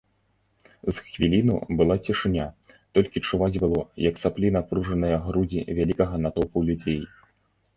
З хвіліну была цішыня, толькі чуваць было, як саплі напружаныя грудзі вялікага натоўпу людзей.